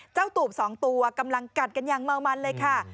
เจ้าตุ๊ป๒ตัวกำลังกัดกันอย่างเม้ามันเลยค่ะ